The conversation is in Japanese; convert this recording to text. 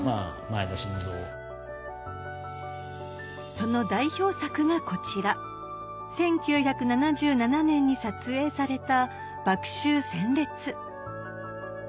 その代表作がこちら１９７７年に撮影された『麦秋鮮烈』